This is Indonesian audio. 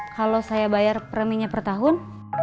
kalau saya bayar preminya per tahun